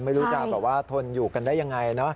ไม่รู้จับว่าทนอยู่กันได้ยังไง